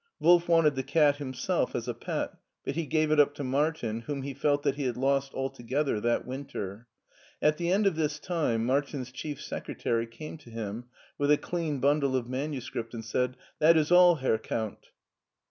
Wolf wanted the cat himself as a pet, but he gave it up to Martin, whom he felt that he had lost altogether that winter. At the end of this time, Martin's chief secretary came to him with a clean bundle of manuscript and said, " That is all, Herr Count."